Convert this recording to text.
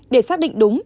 để xác định đúng